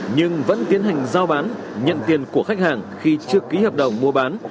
nhưng vẫn tiến hành giao bán nhận tiền của khách hàng khi chưa ký hợp đồng mua bán